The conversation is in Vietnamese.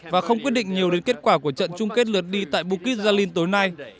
và không quyết định nhiều đến kết quả của trận chung kết lượt đi tại bukizalin tối nay